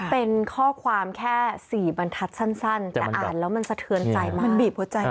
เป็นข้อความแค่สี่บรรทัศน์สั้นแต่อ่านแล้วมันสะเทือนใสมาก